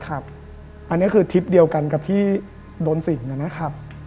อันนี้คือทริปเดียวกันกับที่โดนสิงนะครับ